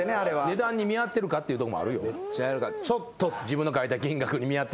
値段に見合ってるかっていうところもあるよ。